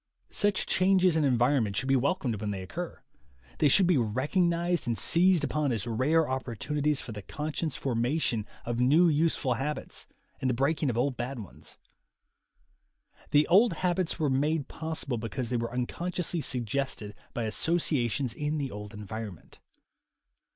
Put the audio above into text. Such changes in environment should be welcomed when they occur; they should be recognized and seized upon as rare opportunities for the conscious formation of new useful habits and the breaking of old bad ones. The old habits were made possible because they were unconsciously suggested by asso ciations in the old environment.